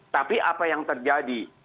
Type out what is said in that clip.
tapi apa yang terjadi